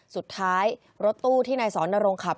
สุดท้ายรถตู้ที่นายสอนนรงขับ